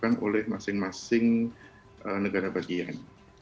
yang dilakukan oleh masing masing negara bagian